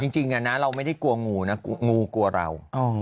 จริงนะเราไม่ได้กลัวงูนะงูกลัวเรา